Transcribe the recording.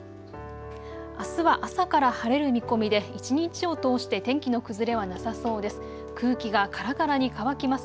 あすは朝から晴れる見込みで一日を通して天気の崩れはなさそうです。